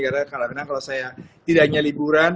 karena kalau saya tidak hanya liburan